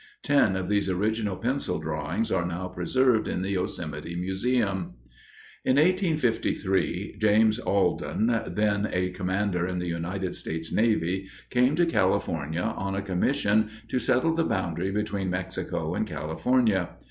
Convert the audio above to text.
Ten of these original pencil drawings are now preserved in the Yosemite Museum. In 1853, James Alden, then a commander in the United States Navy, came to California on a commission to settle the boundary between Mexico and California.